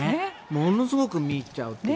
ものすごく見入っちゃうという。